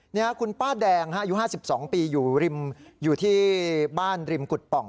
นี่คุณป้าแดงอายุ๕๒ปีอยู่ที่บ้านริมกุฎป่อง